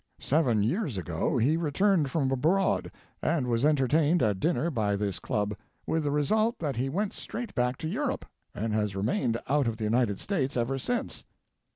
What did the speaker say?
"Seven years ago he returned from abroad, and was entertained at dinner by this club, with the result that he went straight back to Europe, and has remained out of the United States ever since.